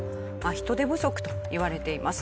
人手不足といわれています。